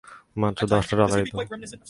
মাত্র দশটা ডলারই তো!